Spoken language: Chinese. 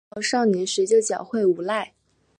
李继韬少年时就狡狯无赖。